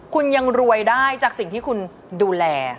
คุณยังรวยได้จากสิ่งที่คุณดูแล